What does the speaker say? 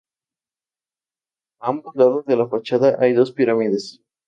A ambos lados de la fachada hay dos pirámides.